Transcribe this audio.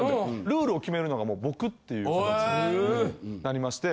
ルールを決めるのがもう僕っていう形になりまして。